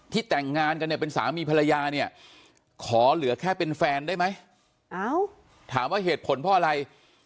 แต่งงานกันเนี่ยเป็นสามีภรรยาเนี่ยขอเหลือแค่เป็นแฟนได้ไหมถามว่าเหตุผลเพราะอะไร